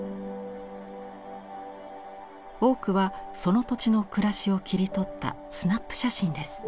多くはその土地の暮らしを切り取ったスナップ写真です。